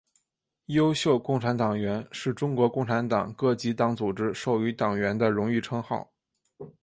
优秀共产党员是中国共产党各级党组织授予党员的荣誉称号。